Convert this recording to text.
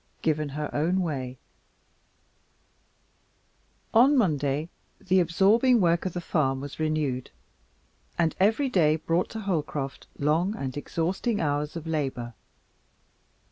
Given Her Own Way On Monday the absorbing work of the farm was renewed, and every day brought to Holcroft long and exhausting hours of labor.